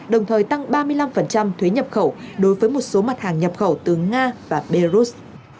đồng thời tăng ba mươi năm thuế nhập khẩu đối với một số mặt hàng nhập khẩu từ nga và belarus